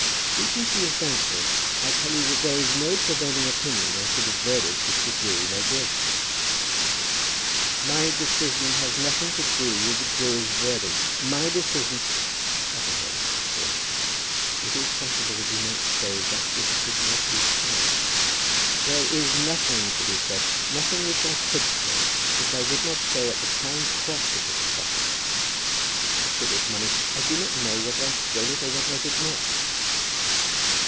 Speaking to you frankly, I tell you that there is no prevailing opinion as to the verdict which the jury may give." "My decision has nothing to do with the jury's verdict. My decision " "Stop a moment, Mr. Crawley. It is possible that you might say that which should not be said." "There is nothing to be said, nothing which I could say, which I would not say at the town cross if it were possible. As to this money, I do not know whether I stole it or whether I did not."